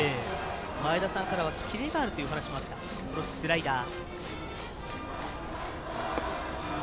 前田さんからはキレがあるというお話もあったスライダー。